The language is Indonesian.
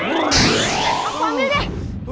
aku ambil deh